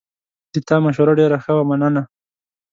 د تا مشوره ډېره ښه وه، مننه